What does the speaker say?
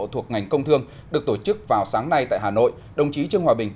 thuộc ngành công thương được tổ chức vào sáng nay tại hà nội đồng chí trương hòa bình